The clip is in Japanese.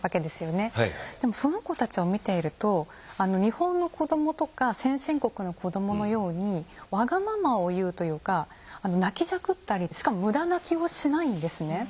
でもその子たちを見ていると日本の子供とか先進国の子供のようにわがままを言うというか泣きじゃくったりしかも無駄泣きをしないんですね。